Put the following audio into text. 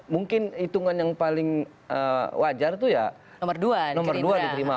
mungkin hitungan yang paling wajar itu ya nomor dua diterima